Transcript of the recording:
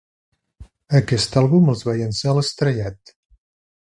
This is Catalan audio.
Aquest àlbum els va llançar a l'estrellat.